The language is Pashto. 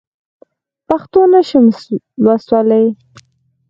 پښتو نه شم لوستلی.